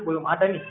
belum ada nih